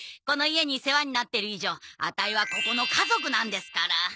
この家に世話になってる以上アタイはここの家族なんですから！